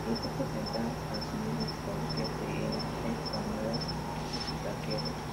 El libro presenta asimismo fotografías de Einstein tomadas de sus archivos.